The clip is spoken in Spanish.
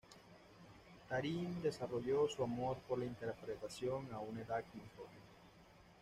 Taryn desarrolló su amor por la interpretación a una edad muy joven.